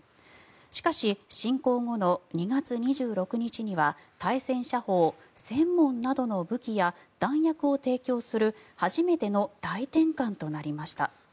しかし、侵攻後の２月２６日には対戦車砲１０００門などの武器や弾薬を提供する初めての大転換となりました。